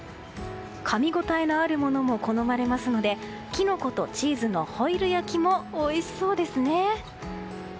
かみ応えのあるものも好まれますのでキノコとチーズのホイル焼きもおいしそうですね。